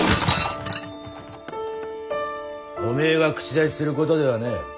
おめえが口出しすることではねえ。